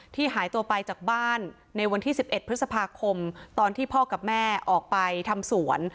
หายตัวไปจากบ้านในวันที่๑๑พฤษภาคมตอนที่พ่อกับแม่ออกไปทำสวน